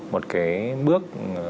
một cái bước